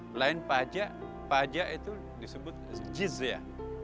selain pajak pajak itu disebut jizya